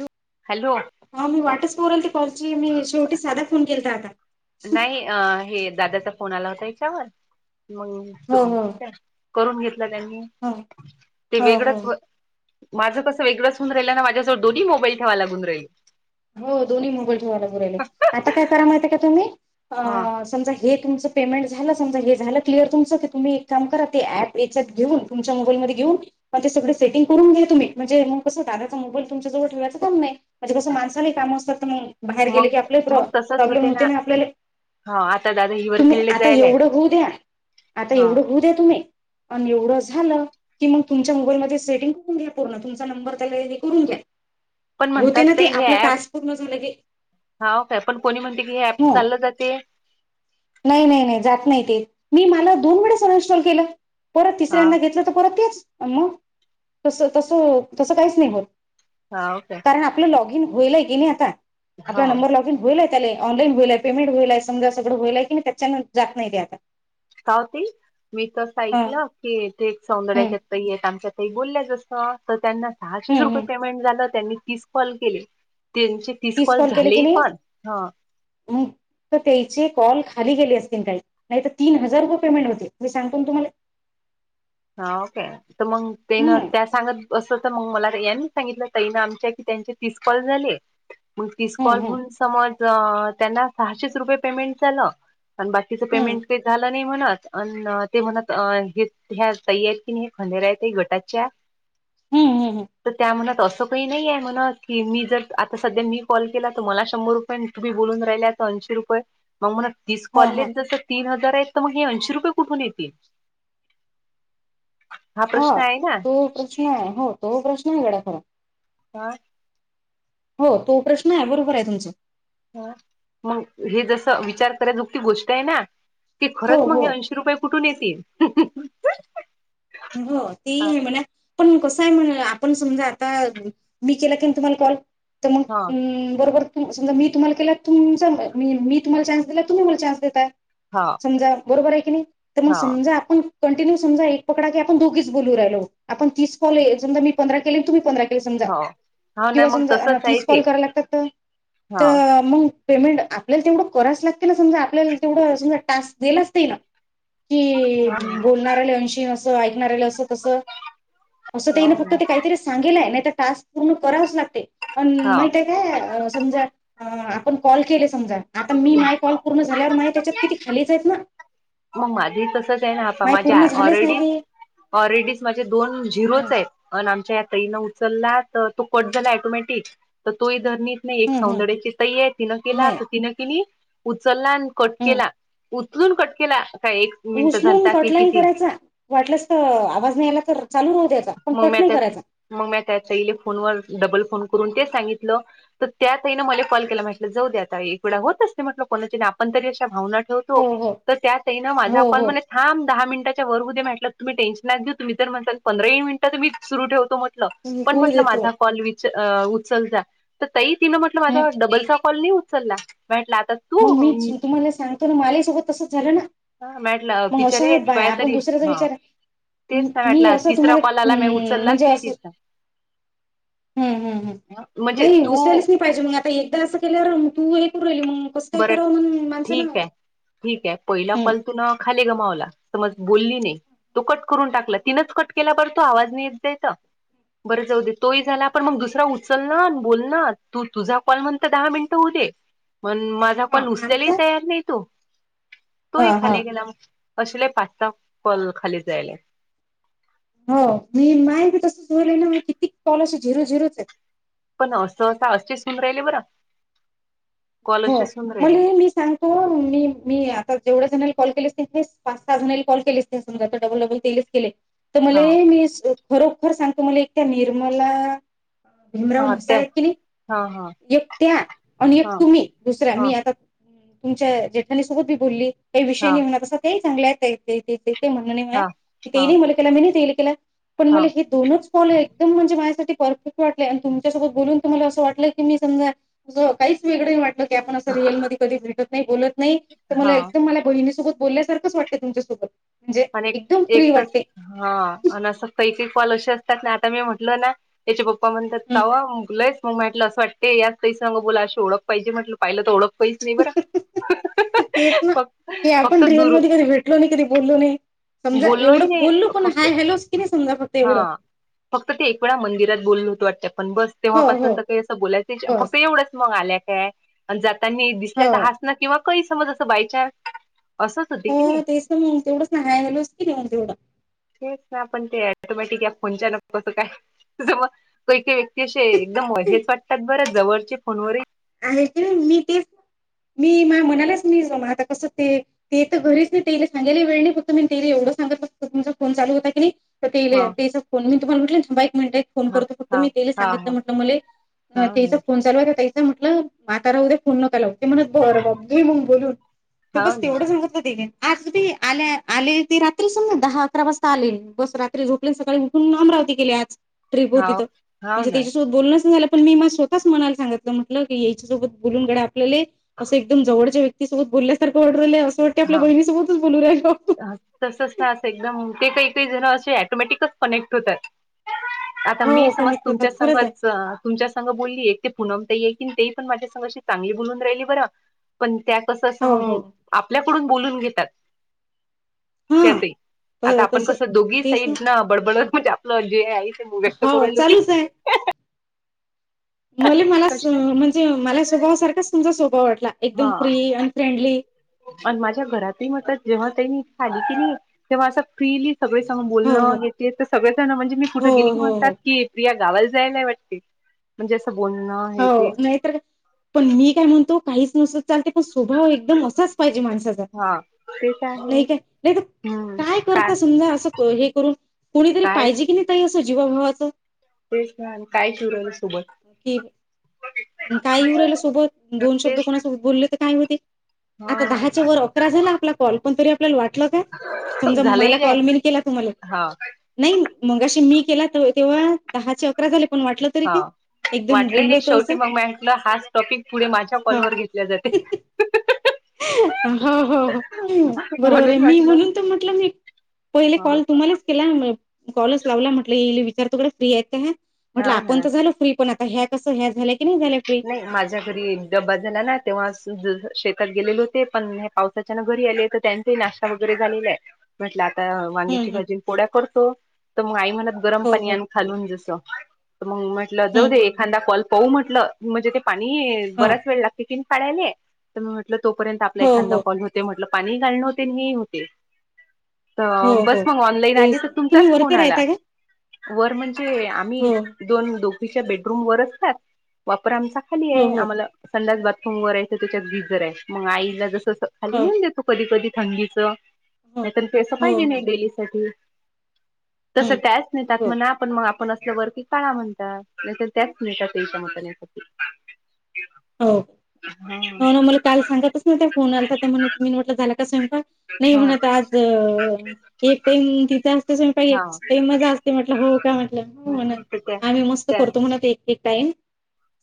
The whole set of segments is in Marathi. हॅलो हॅलो हा मी वाटच पाहू रायले ते फोन ची मी शेवटी साधा फोन केलता आता. नाही अ हे दादाचा फोन आला होता हेच्यावर मग हो हो त करून घेतला त्यांनी हो ते वेगळंच हो माझं कस वेगळं होऊ राहिलं ना माझ्यासोबत दोन्ही मोबाईल ठेवायला लागून राहीले. हो दोन्ही मोबाईल ठेवा लागू राहिले आता काय करा माहिती ये का तुम्ही हा अ समजा हे तुमचं पेमेंट झालं समजा हे झालं क्लिअर तुमचं की तुम्ही एक काम करा ते ऍप याच्यात घेऊन तुमच्या मोबालमध्ये घेऊन म ते सगळे सेटंग करून घ्या तुम्ही म्हणजे मग कसं दादाचा मोबाईल तुमच्या जवळ ठेवायचं काम नाय म्हणजे कसं मा काम असतात तुम्हाले बाहेर गेले मग की आपले मग प्रॉब तसच प्रॉब्लेम होते ना आपल्यालाही हा आता दादा हिवर तुम्ही खेळले आता जायला आहेत एवढं होऊ द्या आता हा एवढं होऊ द्या तुम्ही आणि एवढं झालं की मग तुमच्या मोबाईलमध्ये सेटिंग करून घ्या पूर्ण तुमचा नंबर त्याज्या ईद करून घ्या. पण होते म्हणतात ना ते हे आपलं ऍप टास्क पूर्ण झालं की हा काय पण कोणी म्हणते की हे ऍप चाललं जातय. नाय नाय नाय जात नाय ते मी मला दोन वेळेस सनइन्स्टॉल केलं. परत हा तिसऱ्यांदा घेतलं तर परत तेच मग तस तस तसं काहीच नाही होत. हावं काय म आपल लॉगिन होईलय की नय आता आपला हा नंबर लॉग होईलय त्याले ऑनलाईन होईलय पेमेंट होईलय समजा सगळं होईलय की त्याच्याणी जात नाय ते आता. का ओ ती मी पण असं ऐकलं ह की ते एक सौंदर्याच्या येत आमच्या काही बोलल्या जास्त तर त्यांना सहाशेच रुपये पेमेंट झालं त्यांनी तीस कॉल केले त्यांचे तीस कॉल केले की झाले नाही पण ह मग तर त्याचे कॉल खाली गेले असतील काही नाहीतर तीन हजार रुपये पेमेंट होते मी सांगतो ना तुम्हाला. हाव काय. तर मंग तेन हम्म त्या सांगत असत त मग मला रिया नी सांगितलं तई न आमच्या की त्याचे तीस कॉल झाले. [unintelligible] मग तीस हम्म कॉल हम्म होहून समज त्यांना सहाशेच रुपये पेमेंट झालं आणि बा तिचं हम्म पेमेंट काय झालं नाही म्हणत अ ते म्हणत हेत त ह्या ताई आहेत की नाय खंडेराकी गटाच्या हम्म हम्म तर त्या म्हणत असं काही नाही ये म्हणा की मी जर आता सध्या मी कॉल केला तर मला शंभर रुपय ती बोलून राहिल्यात त ऐंशी रुपये मग म्हन तीस हा कॉल हा जसं तीन हजार आहेत तर मग हे ऐशी रुपये कुठून येतील. हा प्रश्न आहे ना तो प्रश्न आहे हो तो प्रश्न आहे गड्या खरा हा हो तो प्रश्न आहे बरोबर आहे तुमच. ह मग हे जस विचार करा जोगती गोष्ट आहे ना ते हो खरंच हो मग ऐशी रुपये कुठून येतील. हो ते हा म्हणा पण कसं आहे म्हण आपण समजा आता मी केला की तुम्हाला कॉल तर हा मग बरोबर म समज मी तुम्हाला केला तुमी मी तुम्हाला न्स दिला तुम्ही मला न्सताय हा बरोबर क नाही हा समजा आपण कंटिन्यू समजा कडा आप दोघीच बोलू राहिलो आपण तॉ मी पंरा के प सा हो हो ना किंवा मग समजा तसच आहे तीच ते कॉल करायला लागतात हा त मग पेमेंट आपल्याला तेवढं करायच लागते ना समजा आपल्याला तेवढं समजा टास्क दिलाच ते ना कि बोलणाऱ्याले अंशी असं ऐकणाला असं तसं हा असंन फक्त ते काहीतरी सांगलय नाही टास्क पूर्ण करावच लागते हा. समजा आपण कॉल केले समजा आता मी माय कॉल पूर्ण झाल्यावर नाही त्याच्यात किती खालीच आहेत ना मग माझी तसंच आहे ना आप माय माझे पूर्ण झालेच नाही ऑरेडी गे ऑरेडी माझे दोन झिरोच आहेत अ आमच्या या तईन उचलला तर तो कट झाला टोमॅटिक तर तोर नाही एक हम्म हम्म सौंदड्याची तई आहे तिनं केला नाही तर तिनं केली उचलला आणि कट केला हम्म उचलून कटकला काय एक मिनिट उचलून झालता की कटलाईन किती करायचा वाटलंस तर आवाज नाही यायला तर चालू नव्हत्याचा मग म त्यात मग म त्याच्या इले फोनवर डबल फोन करून तेच सांगितलं त्यातही ना मला कॉल केला म्हटलं जाऊ दे आता एकवेळा होत असते म्हटलं कोणा आपण तरी अशा भावना तो तू हो हो त्या ताईन माझा हो कॉल हो हां दहा मिनिटच्यारमध्ये म्हट तम् टेन्श नाही घऊ तुम् तर म्हणसाल पंधराही मिनिटं मी सुरू ठवो म पण होऊ म्हटलं देतो माझा कॉल विच उचल जा तर ताई तिनं म्हटलं हम्म माझा डबलचा कॉल नाही उचलला भेटला आता मग मीच तू तुम्हाला सांगतो ना मालासोबत तसंच झालं ना हा म्हटलं मग अशा पिचर आहेत बाया आपण कायतरी दुसऱ्याचा ह विचार तेच म- सां मी म्हटलं आ असं तुम्हाला म्हणजे अस हम्म हम्म हम् म्हणजे नाही तू उसेलस पाहिजे मग आता एकदा असं केलं तू हे करली मग कस काही बरं कर मून माणस ना हम् तुून खाली गमावला समज बोलली नाही तो कट करून टाकला तिनंच कट केला परर तो आवाज नेत दयचा बरं जाऊ दे तोही झाला आपण मग दुसरा उचल ना बोल ना तू तुझा कॉल म्हणत दहा मिनटं होऊ दे मण माझा हा पण उसलेलाही आमचा तयार नाही तो हा तोही हा खाली गेला मग असले पाच स कॉल खाली जायले हो मी मायी तसल आहे ना कितीक कॉल असे झिरो झिरोच पण असं असता असे सून राहिले बर हो राहिले मला मी सांग हो मी मी आता जेवढ्या जणला कॉल केलेस ते पाच सहा जणला कॉल केले ते डबल डबल तेच केले तुम्हाला हा मी खरोखर सांगतो मला एकट्या निर्मला भीमराव हा त्या म्हसाय की हा हा नाही एक त्या आणि एक हा तुम्ही दुसऱ्या हा मी आता तुमच्या जेठानी सोबत मी बोलली काही विषय हा नाही होणार तसा तेही चांगल्या आहेत म्हण हा ते हा नाही मला तेनी केला मी ही तेला केला पण हा मला हे दोनच कॉल एकदम म्हणजे माझ्या परफेक्ट वाटलेय आणि तुमच्यासोबत बोलून तुम्हाला असं वाटलं की मी समजा हो काहीच मिनिट की आपण अस रियल कधी भेटत नाही बोलत नाही तर मला हा एकदम मला बहिणीसोबत बोलण्यासारखं अस वाटतय तुमच्यासोबत म्हणजे आणि एकदम एक फ्री तर वाटते हा आणि असं काही काही कॉल अशे असतात ना आता मी म्हटल ना त्याचे पप्पा पप्पा म्हणतात कावा मुगलंयस मग म्हटलं असं वाटतेय याच तही सांग बला अशी ओळख पाहिजे म्हटलं पाहिलं तर ओख पैस नाही बरा हम्म. तेच फक फक्त दूर टलो नाही कधी बोललो नाही समजा बोललोही एवढं नाही बोललो पण फक्त हय हॅलो किती समजा फक्त हा एवढं फक्त ते एक वेळा मंदिरात बोलल होतं वाटत पण बस हो तेव्हापासुन हो त्या काही असं बोलायच बस फक्त एवढंच मग आल्या काय जाता दिसल्या हो तर हास ना किंवा काही समज असं बायचान्स असंच होते की नाही. हो तेच मग तेवढं सहाय झालोच तेवढं. तेच ना आपण ते अँटोमॅटिक या फोनच्या न कसं काय. मग काही काही व्यक्ती असे एकदम हेच वाटतात बरं जवळचे फोनवर ही आहे की मी तेच मी मा म्हणालेच मी ज आता कसं ते ते तररीच नाही ते सांगाला वेळ नाही फक्त मी ते एवढं सांगततो तुमचा फोन चालू होता की नाही. तर हा ते तेचा फोन मी तु पण म्हटलं बा एक मिनिट फोन हा करतो फक्त हा मी तिले हा सांगतो हा म्हटलो मले आ हाव तिज ना फोन चालू आहे का ताई म्हटल माला तर उद्या फोन नका लाऊ म्हणत बर बघ म मग बोलून ते हाव बस ना तेवढं सांगत आजी आल्या आले त रात्री समज दहा अकरा वाजता आले बस रात्री झोप सकाळी उठून लाब राव गेली आज ट्रीप होती त हाव हाव म्हणजे ना त्याच्यासोबत बोलणंच नाही झालं पण मी म स्तःच मणाला सांगलं म्हटलं की याच्यासोबत बोलून गड्या आपलेले असं एकदम जवळच्या व्यक्तीसोबत बोलल्यासारखं वाढरलं आहे असं वाटते आपल्या हा बहिणीसोबतच बोलू रायलो तसच ना असं एकदम ते काही काही जण असे अँटोमॅटिकच कनेक्ट होतात. आता मी हो समज कनेक्ट होतात तुमच्या खरंच आहे संघच तुमच्या संघ बोलली एक ते पुनमताई आहे की तेही पण माझ्या संग अशी चांगली बोलून राहिली बर पण त्या कसं असं हो हो मग आपल्याकडून बोलून घेतात. हा त्याचही आता आपण तस कसं दोघी तेच साईड ना बडबडत म्हणजे आपलं जे आहे म व्यक्त हो करल की. चालूच [unintelligible] म मला कशा म्हणजे मला स्वभावा सारखाच तुमचा स्वभाव वाटला एकदम फ्री अन फ्रेंडली अन माझ्या घरातही म्हणतात जेव्हा त्यांनी खाली की नाही तेव्हा असं फ्रीली सगळे सण हो हो बोलणं घेते तर सगळेजण म्हणजे मी हो, कुठे गेल की हो, म्हणतात हो, की किया गावायला जाय नाही वाटते म्हणजे असं बोलणं हे ते हो नाही तरर पण मी काय म्हणतो काहीच नसत चालते पण स्वभाव एकदम असाच पाहिजे माणसाचा हा तेच आहे नाही काय नाही तर काय करता समजा अस हे करून कोणीतरी काय पाहिजे की नाही ताई असं जीवाभावाचं. तेच ना आणि काय शिवरा सोबत. [unintelligible] काय येऊ राला सोबत दोन शब्द तेच कोणासोबत बोलले तर काय होते आता हा दहाच्या वर पंधरा झाला आपला कॉल पण तरी आपल्याला वाटलं का समजा झालंय मला काय कॉल मी केला तुम्हाले हा नाही मगाशी मी केला तर तेव्हा दहाचे अकरा झाले पण वाटलं तरी हा ते एकदम वाटलंही बोललो नाही होत शेवटी असं. मग म्हटलं हाच टॉपिक पुढे माझ्या हा कॉलवर घेतल्या जाते. हो हो हो. बरोबर आहे म्हणून मी म्हटलं म्हणून तर म्हटलं मी पहिले कॉल तुम्हालेच केला कॉलच लावला म्हटलं विचारतो बर फ्री आहेत का ह्या म्हटलं हा आपण ना तर झालं फ्री पण आ ह्या कस ह्या झाल्या की नाही झाल. माझ्या घरी डबा झाला ना तेव्हा शेतात गेलेले होते पण हे पाऊस त्याच्यान घरी आले तर त्यांचा नाश्ता वगैरे झालेला आहे. म्हटलं आता हम्म वांग्याची हम् भाजी पोळ्या करतो तर मग आई म्हणत गरम हो पानी हो आनु खालून जस तर मग म्हटलं हम्म जाऊ दे हम् एखादा कॉल पाहू म्हटलं म्हणजे ते पाणी ह बराच वेळ लागते किन काडायला तर म म्हटलं तोपर्यंत आपला हो एखादा हो हो कॉल होत ते म्हटलं पाणी घालणं होते आणि हे ही होते. हो तर बस हो मग ऑनलाईन आली तेच तर ना. तुम्ही तुमचाच फोन वरती आला. राहता का वर म्हणजे आम्ही हो दोन दोपीच्या बेडरूम वर असतात. वापर आमचा खाली हो आहे हो आम्हाला संड्यास बाथरूम वरच त्याच्यात गिजर आहे मग आईला जस खाली हो नाही देतो कधी कधी थंडीच हो नाहीत पैसा हो पाहिजे हो नाही डेली साठी तसं हम्म कायच नाहीतात हो म आपण म आपण असल्यावरती काय म्हणत न त्याच मिटात त्यांच्या मतसाठी हो हो ना मला काल सांगतच ना त्या फोन आला तर म्हण मी म्हटलं झाला का स्वयंपाक नाही हा म्हणत आज.... एक टाइम तिथं असत स्वयंपाक एक हा टाईम माझा अस ते म्हटलं हो का म्हटलं हो म्हणा हा आम्ही मस्त त्या करतो म्हणा ते एक टाइम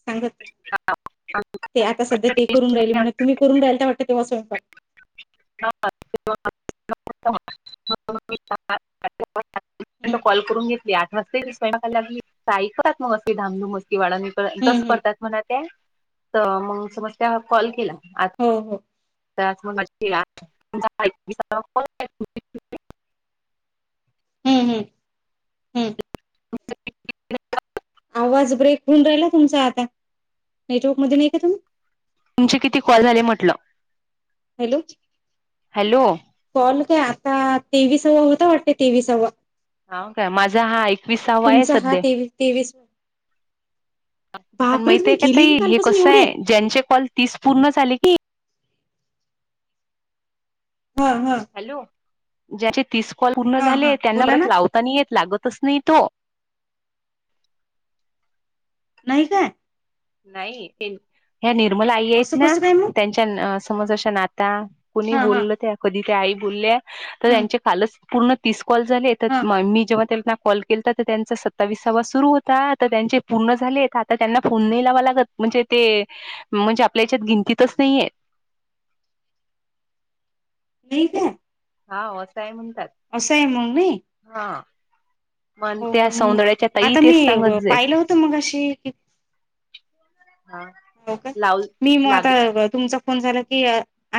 सांगत ते आता सध्या ते करुन राहिले म्हण तुम्ही करून राहिल ते वाटतं ते स्वयंपाक ह [unintelligible] [inaudible] [inaudible] हं [unintelligible] [inaudible] कॉल करून घेतली आ मस्ते स्वयंकाला अगली ताई करत मग मस्ते धामधूम मस्ती वाढव हं तस हं करवतात म्हणत.... तर मग समज त्या कॉल केला. हो हो तर मग [unintelligible] [inaudible] हं हं हं [inaudible] आवाज ब्रेक होऊन राहिला तुमचा आता..... नेटवर्क मध्ये नाही का तुम्ही? तुमचे किती कॉल झाले म्हटलं? हॅलो हॅलो कॉल काय आता तेवीसावा होता वाटते तेवीसावा हा काय माझा हा एकवीस हवा आहे तुमचा हा सध्या तेवीस तेवीस आणि बापरे माहितय तुम्ही का केले की ताई हे कालपासून कस एवढे? आहे ज्यांचे कॉल तीस पूर्ण झाले की, हा हा हॅलो ज्याचे तीस कॉल पूर्ण हा हा झाले त्यांना बोला परत ना लावताना येत लागतच नाही तो नाही काय? नाही ह्या निर्मला आई आहेत असं ना कसं काय मग त्यांच्या समज अशा नाता कोणी हा हा बोलल त्या कधी त्या आई बोलल्या तर हम्म त्यांचे कालच पूर्ण तीस कॉल झाले तर हा म मी जेव्हा त्याला कॉल केल तर तर त्यांचा सत्तावीसावा सुरू होता तर त्यांचे पूर्ण झाले आता त्यांना फोन नाही नाही लावावा लागत म्हणजे ते म्हणजे आपल्या याच्यात गिंतीतच नाहीये नाही काय? हा असंय म्हणतात असं आहे मग नाही हा मण हो त्या का मग सौंदर्याच्या ताई आता तेच मी सांगत अ, जेत पाहिलं होतं मग अशी की, हो का लाव मी मग लागे आता तुमच फोन झाला की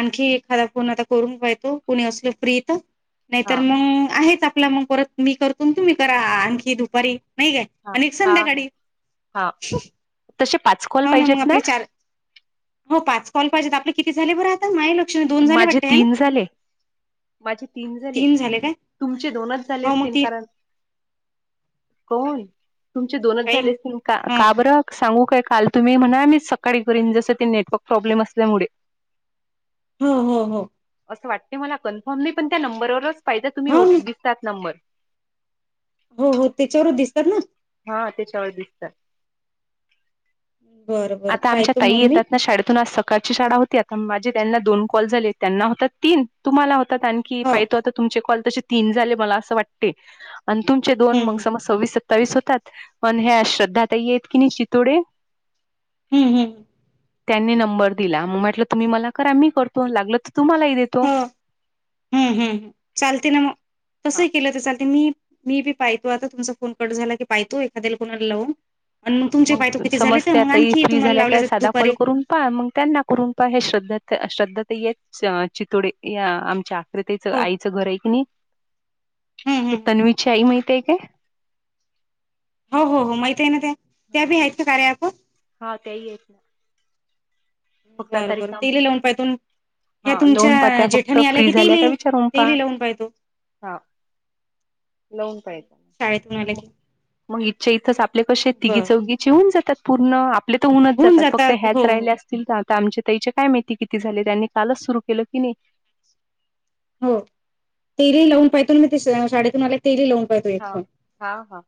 आणखी एखादा फोन आता करून पायतो कुणी असलं फ्री त नाही तर हा मंग आहेच आपला मग परत मी करतो तुम्ही करा आणखी दुपारी नही काय हा आणि हा हा संध्याकाळी हा तसे पाच कॉल हो ना मग पाहिजेत हो पाच कॉल पाहिजेत आपले किती झाले बरं आता माहे लक्ष दोन झाले माझे वाटतं हे ना तीन झाले माझे तीन झाले तुमचे दोनच झाले हो मग असतीन तीन कारण कोण तुमचे दोनच काही झाले असतील का हा का बरं सांगु काय काल तुम्ही म्हणा मी सकाळी करीन जसं ते नेटवर्क प्रॉब्लेम असल्यामुळे हो हो हो असं वाटते मला कन्फर्म नही पण त्या नंबरवरच पाहिजे तुम्ही हो ओ ना दिसतात नंबर हो हो त्याच्यावर दिसतात ना हा त्याच्यावर दिसतात बरं बरं आता आमच्या पाहतो ताई मग मी येतात ना शाळेतून अस काची शाळा होती आता माझे त्यांना दोन कॉल झाले. त्यांना होता तीन तुम्हाला होतात आणखी हो पाहि तो आता तुमचे कॉल तसे तीन झाले मला असं वाटते आणि तुम तुमचे दोन हम्म मग सम सव्वीस, सत्तावीस होतात मण हे श्रद्धा तही येत की नाही चितोडे [unintelligible] त्यांनी नंबर दिला म म्हटलं तुम्ही मला करा मी करतो लागल तर तुम्हालाही देतो हम् हम्मम चालते ना म कसं हा. ही केलं तर चालते मी मी बी पायतो आता तुमचा फोन कट झाला की पायतो एखाद्याला कोणाला लावून अन् मग तुमचे पायतो किती झाले तर समजत्या मग ताई आणखी फ्री तुम्हाला झाल्या लावले काय जात साधा कॉल दुपारी करून पहा मंग त्यांना करून पहा हे श्रद्ध त श्रद्धा ताई येेत श चितोडे या आमच्या प्रतीचं हो आईचं घर हे की नी हम्म हम्म ती हम्म. तन्वीची आई माहितीये काय हो हो हो माहितीये ना ते त्या हा भी आहेत क कार्यात हा त्याही हेत ना फक्त बर आता बर रिकाम तिले लाऊन पायतो ह्या हा लावून पाहा तुमच्या त्या फक्त जेठानी आल्या फ्री की ते झाल्या का ली विचारून ते पहा. ली लाऊन पायतो लाऊन पाय म की मग इथच्या इथच आपले कशे बरं तिघीचौघी ची होऊन जातात पूर्ण आप ले तर हुनच होऊन जातात फक्त हो ह्याच हो. राहिल्यास तील आता आमच्या तईच्या काय माहिती किती झाले त्यांनी कालच सुरू केलं की नी हो तेलही लाऊन पायतो मी त श शाळेतुन आले तेली लाऊन हा हा हा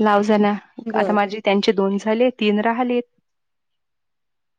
लावजा ना आता बरं. माझी त्यांचे दोन झाले तीन राहलेत